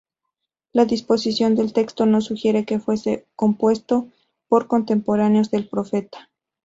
La disposición del texto no sugiere que fuese compuesto por contemporáneos del profeta.